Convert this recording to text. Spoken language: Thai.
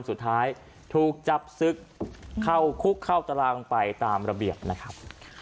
สุดท้ายถูกจับศึกเข้าคุกเข้าตารางไปตามระเบียบนะครับ